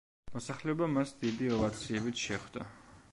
მოსახლეობა მას დიდი ოვაციებით შეხვდა.